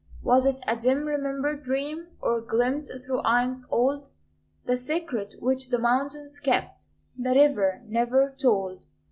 Was it a dim remembered dream? Or glimpse through aeons old? The secret which the mountains kept The river never told.